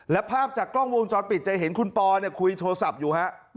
และภาพจากกล้องวงจรปิดจะเห็นคุณปอคุยโทรศัพท์อยู่ฮะ